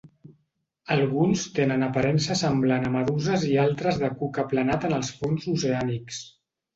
Alguns tenen aparença semblant a meduses i altres de cuc aplanat en els fons oceànics.